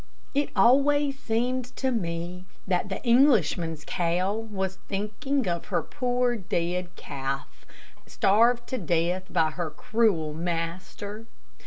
It always seemed to me that the Englishman's cow was thinking of her poor dead calf, starved to death by her cruel master.